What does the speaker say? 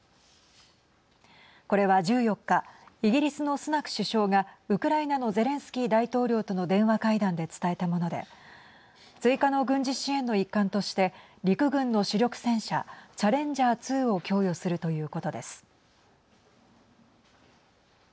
これは１４日イギリスのスナク首相がウクライナのゼレンスキー大統領との電話会談で伝えたもので追加の軍事支援の一環として陸軍の主力戦車チャレンジャー２を供与するということです。